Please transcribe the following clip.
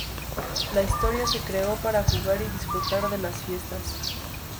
La historia se creó para jugar y disfrutar de las fiestas.